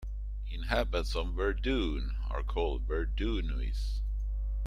Inhabitants of Verdun are called "Verdunois".